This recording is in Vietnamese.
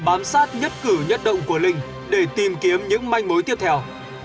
một tổ chinh sát khác bám sát nhất cử nhất động của linh để tìm kiếm những manh mối tiếp theo